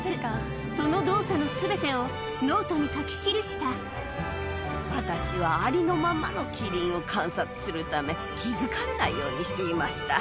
その動作のすべてをノートに書き私はありのままのキリンを観察するため、気付かれないようにしていました。